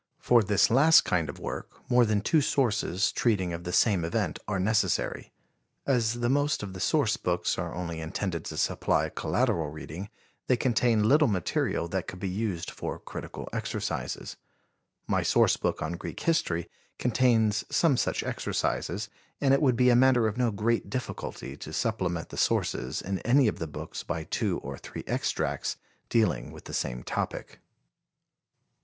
For this last kind of work more than two sources treating of the same event are necessary. As the most of the source books are only intended to supply collateral reading, they contain little material that could be used for critical exercises. My source book on Greek history contains some such exercises, and it would be a matter of no great difficulty to supplement the sources in any of the books by two or three extracts dealing with the same topic.